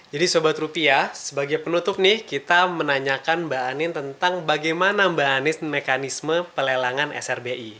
jadi sobat rupiah sebagai penutup nih kita menanyakan mbak anin tentang bagaimana mbak anin mekanisme pelelangan srbi